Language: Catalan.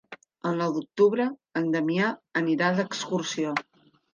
El nou d'octubre en Damià anirà d'excursió.